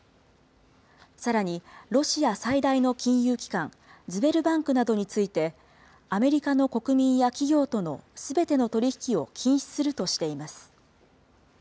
さらに、ロシア最大の金融機関、ズベルバンクなどについて、アメリカの国民や企業とのすべての取り引きを禁止するとしています。